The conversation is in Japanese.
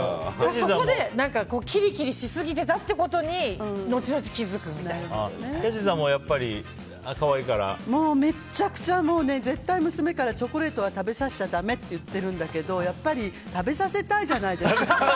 そこでキリキリしすぎてたってことにキャシーさんもめちゃくちゃ絶対娘からチョコレートを食べさせちゃだめって言ってるんだけど、やっぱり食べさせたいじゃないですか。